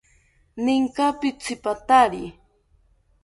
Ninka pitzipatari?